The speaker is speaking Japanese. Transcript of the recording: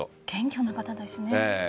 謙虚な方ですね。